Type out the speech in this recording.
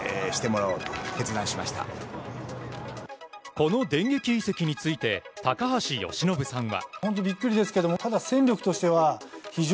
この電撃移籍について高橋由伸さんは。